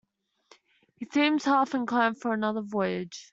He seems half inclined for another voyage.